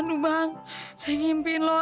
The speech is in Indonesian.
baru baru dikaji makan baru pingsan